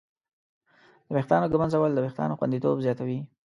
د ویښتانو ږمنځول د وېښتانو خوندیتوب زیاتوي.